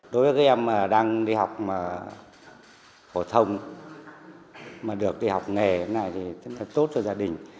đối với các em đang đi học phổ thông mà được đi học nghề thế này thì rất là tốt cho gia đình